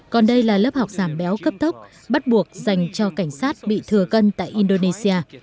còn đây là lớp học giảm béo cấp tốc bắt buộc dành cho cảnh sát bị thừa cân tại indonesia